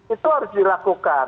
itu harus dilakukan